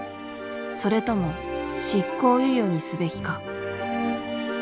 それとも執行猶予にすべきか。